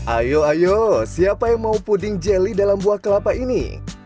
ayo ayo siapa yang mau puding jelly dalam buah kelapa ini